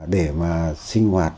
để mà sinh hoạt